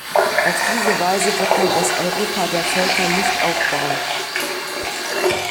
Auf diese Weise wird man das Europa der Völker nicht aufbauen.